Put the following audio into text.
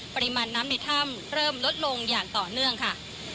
ปริมาณน้ำในถ้ำเริ่มลดลงอย่างต่อเนื่องค่ะ